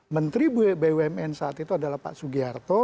menteri bumn saat itu adalah pak sugiharto